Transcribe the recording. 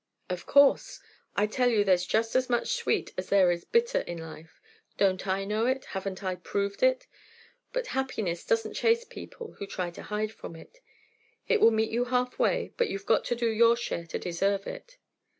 "Of course. I tell you there's just as much sweet as there is bitter in life. Don't I know it? Haven't I proved it? But happiness doesn't chase people who try to hide from it. It will meet you halfway, but you've got to do your share to deserve it.